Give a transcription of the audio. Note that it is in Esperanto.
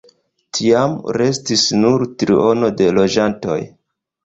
Tiam restis nur triono de loĝantoj.